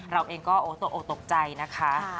เราเองก็โอ้ตกใจนะคะ